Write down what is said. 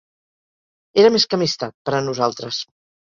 Era més que amistat, per a nosaltres.